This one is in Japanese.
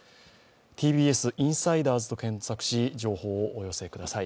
ＴＢＳインサイダーズ」と検索し、情報をお寄せください。